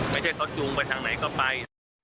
ไม่ใช่เขาจูงไปทางไหนก็ไป